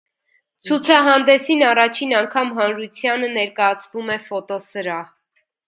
Ցուցահանդեսին առաջին անգամ հանրությանը ներկայացվում է ֆոտոսրահ։